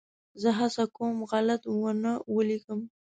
زه هڅه کوم غلط ونه ولیکم.